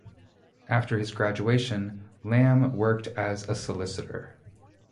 After his graduation, Lamb worked as a solicitor.